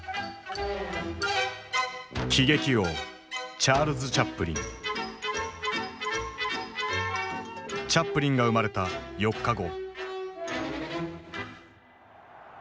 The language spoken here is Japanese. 喜劇王チャップリンが生まれた４日後。